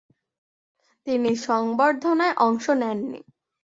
তিনি সংবর্ধনায় অংশ নেন নি।